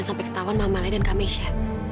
hebat sekali sini kamu